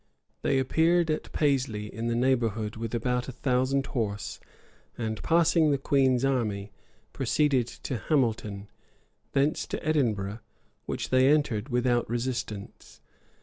They appeared at Paisley, in the neighborhood, with about a thousand horse, and passing the queen's army, proceeded to Hamilton, thence to Edinburgh, which they entered without resistance.